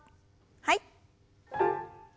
はい。